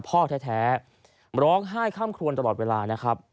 พ่อแท้ร้องไห้ค่ำครวนตลอดเวลานะครับ